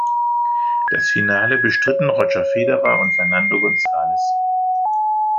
Das Finale bestritten Roger Federer und Fernando González.